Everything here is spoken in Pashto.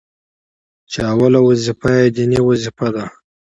چي اوله وظيفه يې ديني وظيفه ده،